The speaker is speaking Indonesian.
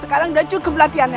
sekarang cukup latihannya